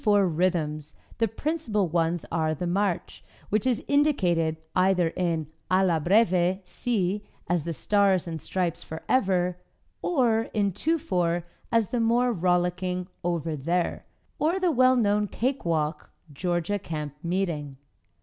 Used by Special Permission] Among the 2 4 rhythms, the principal ones are the March, which is indicated either in "Alla Breve" (C), as "The Stars and Stripes Forever," or in 2 4, as the more rollicking "Over There," or the well known Cake Walk, "Georgia Camp Meeting."